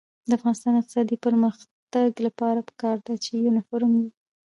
د افغانستان د اقتصادي پرمختګ لپاره پکار ده چې یونیفورم وي.